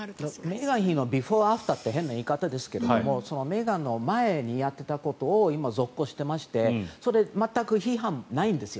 メーガン妃のビフォー、アフターって変な言い方ですけどメーガンの前にやっていたことを続行していましてそれ、全く批判がないんですよ。